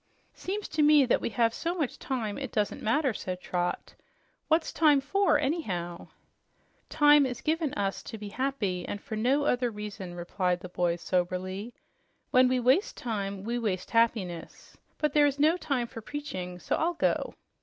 "Seems to me that we have so much time it doesn't matter," said Trot. "What's time for, anyhow?" "Time is given us to be happy, and for no other reason," replied the boy soberly. "When we waste time, we waste happiness. But there is no time for preaching, so I'll go."